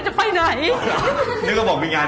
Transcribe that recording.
จะอดูกออกใช่ไหม